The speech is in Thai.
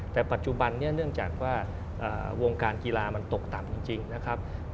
แต่ปัจจุบันนี้เนื่องจากว่าวงการกีฬามันตกต่ำจริงนะครับ